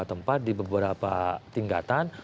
di beberapa tempat di beberapa tingkatan